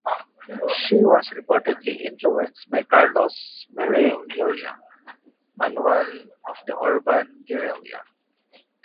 She was reportedly influenced by Carlos Marighella's "Manual of the Urban Guerilla".